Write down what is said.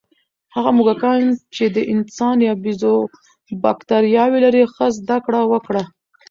هغه موږکان چې د انسان یا بیزو بکتریاوې لري، ښه زده کړه وکړه.